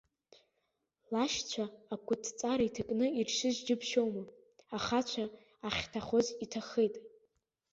Лашьцәа акәытҵара иҭакны иршьыз џьыбшьома, ахацәа ахьҭахоз иҭахеит.